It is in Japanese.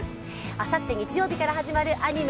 あさって日曜日から始まるアニメ